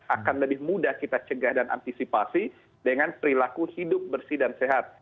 akan lebih mudah kita cegah dan antisipasi dengan perilaku hidup bersih dan sehat